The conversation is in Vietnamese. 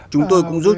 chúng tôi cũng giúp